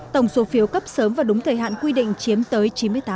tổng số phiếu cấp sớm và đúng thời hạn quy định chiếm tới chín mươi tám